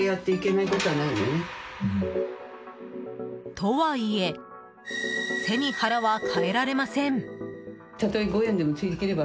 とはいえ背に腹は代えられません。